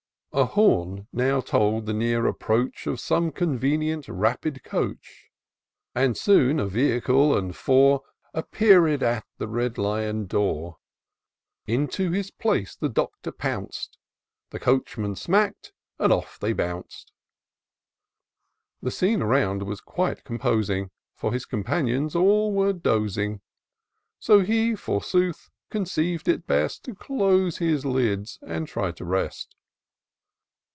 A horn now told the near approach Of some convenient, rapid coach ; And soon a vehicle and four Appear'd at the Red Lion door : Into his place the Doctor pounc'd; The coachman smack'd, and off they bounc'd. Tte scene around was quite composing^ For his companions aU were dozing ; So he, forsooth, conceiv'd it best To close his lids and try to rest.